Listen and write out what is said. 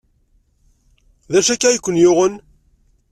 D acu akka i ken-yuɣen?